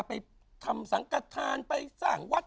ไปทำสังกฐานไปสร้างวัด